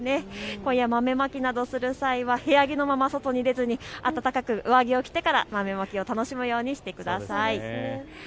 今夜、豆まきなどをする際は部屋着のまま外に出ずに上着を着てから豆まきを楽しむようにしてください。